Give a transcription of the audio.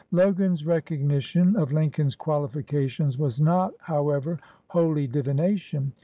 Logan's recognition of Lincoln's qualifica tions was not, however, wholly divination.